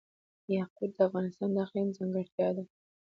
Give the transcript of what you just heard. یاقوت د افغانستان د اقلیم ځانګړتیا ده.